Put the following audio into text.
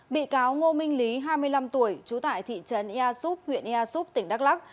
bị cáo ngô minh lý hai mươi năm tuổi trú tại thị trấn ea súp huyện ea súp tỉnh đắk lắc